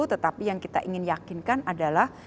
tetapi yang kita ingin yakinkan adalah